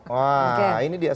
wah ini dia